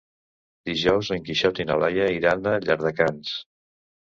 Dijous en Quixot i na Laia iran a Llardecans.